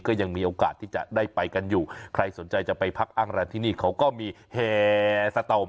ก็ยังมีโอกาสที่จะได้ไปกันอยู่ใครสนใจจะไปพักอ้างร้านที่นี่เขาก็มีแห่สตม